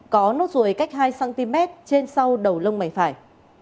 có nốt ruồi cách hai cm trên sau đầu lông mày phải